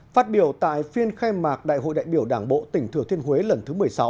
phát biểu tại phiên khai mạc đại hội đại biểu đảng bộ tỉnh thừa thiên huế lần thứ một mươi sáu